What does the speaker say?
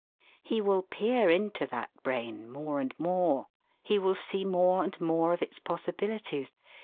He will peer into that brain more and more. He will see more and more of its possibilities.